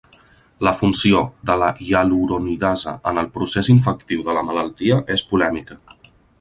La funció de la hialuronidasa en el procés infectiu de la malaltia és polèmica.